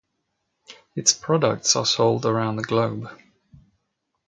Its products are sold around the globe.